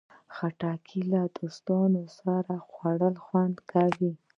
خټکی له دوستانو سره خوړل خوند کوي.